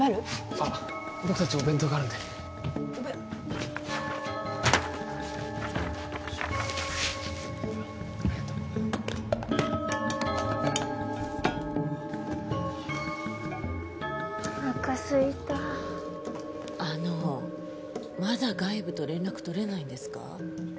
あっ僕達お弁当があるんでお弁はいありがとうおなかすいたあのまだ外部と連絡取れないんですか？